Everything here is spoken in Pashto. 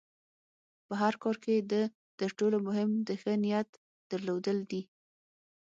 په هر کار کې د تر ټولو مهم د ښۀ نیت درلودل دي.